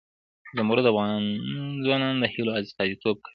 زمرد د افغان ځوانانو د هیلو استازیتوب کوي.